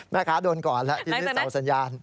แม่คะโดนก่อนแล้วอินิสาวสัญญาณ